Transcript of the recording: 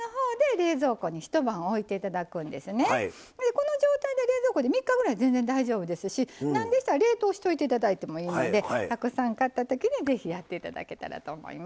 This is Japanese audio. この状態で冷蔵庫で３日ぐらい全然大丈夫ですしなんでしたら冷凍しといて頂いてもいいのでたくさん買った時にぜひやって頂けたらと思います。